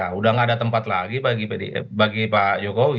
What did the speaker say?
sudah tidak ada tempat lagi bagi pak jokowi